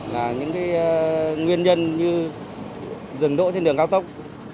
là những nguyên nhân như dừng đỗ trên đường cao tốc